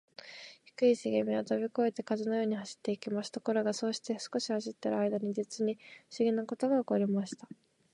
低いしげみはとびこえて、風のように走っていきます。ところが、そうして少し走っているあいだに、じつにふしぎなことがおこりました。